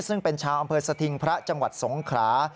ซึ่งเป็นชาวอำเภอสถิงพระจังหวัดสงขรา